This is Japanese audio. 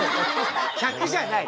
客じゃない。